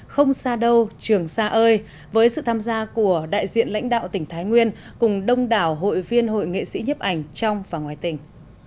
không xa đâu trường xa ơi với sự tham gia của đại diện lãnh đạo tỉnh thái nguyên cùng đông đảo hội viên hội nghệ sĩ nhiếp ảnh trong và ngoài tỉnh